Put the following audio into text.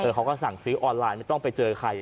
เขาก็สั่งซื้อออนไลน์ไม่ต้องไปเจอใคร